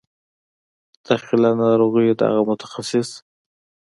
د داخله ناروغیو دغه متخصص